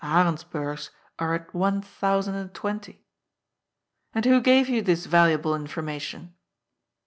Arendsburgs are at one thousand and twenty." " And who gave you this valuable information